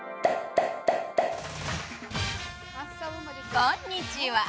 こんにちは。